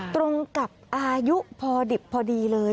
ตรงกับอายุพอดิบพอดีเลย